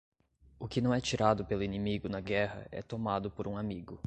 O que não é tirado pelo inimigo na guerra é tomado por um amigo.